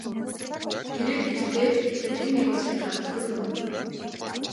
Тэрээр гэртээ хэрхэн эргэж харихаа төсөөлөн бодно.